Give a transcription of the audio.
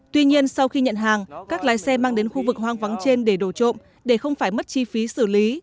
tuy nhiên sau khi nhận hàng các lái xe mang đến khu vực hoang vắng trên để đổ trộm để không phải mất chi phí xử lý